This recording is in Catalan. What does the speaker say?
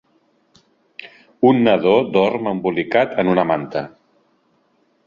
Un nadó dorm embolicat en una manta.